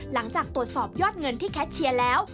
หลังจากตรวจสอบยอดเงินที่แคทเชียร์แล้ว